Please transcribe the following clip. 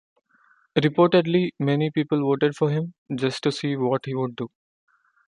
Reportedly many people voted for him just to see what he would do.